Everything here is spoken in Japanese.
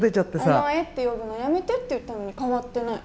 お前って呼ぶのやめてって言ったのに変わってない。